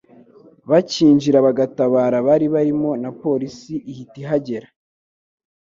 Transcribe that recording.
bakinjira bagatabara abari barimo na Polisi ihita ihagera.